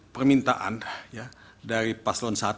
permintaan ya dari paslon satu